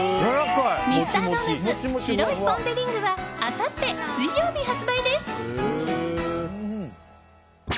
ミスタードーナツ白いポン・デ・リングはあさって水曜日、発売です。